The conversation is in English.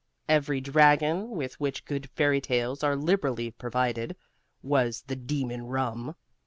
Every dragon, with which good fairy tales are liberally provided, was the Demon Rum.